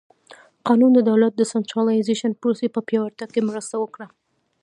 قانون د دولت د سنټرالیزېشن پروسې په پیاوړتیا کې مرسته وکړه.